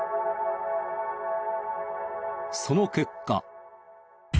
その結果。